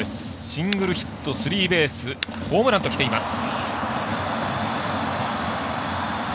シングルヒットスリーベースホームランときています。